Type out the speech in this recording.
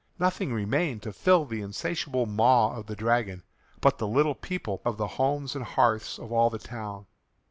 Nothing remained to fill the insatiable maw of the dragon but the little people of the homes and hearths of all the town.